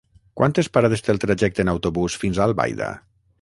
Quantes parades té el trajecte en autobús fins a Albaida?